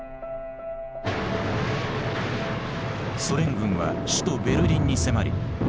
ソ連軍は首都ベルリンに迫り